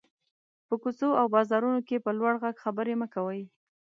په کوڅو او بازارونو کې په لوړ غږ خبري مه کوٸ.